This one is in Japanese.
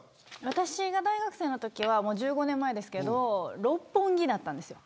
私が大学生のときは１５年前ですけど六本木だったんです。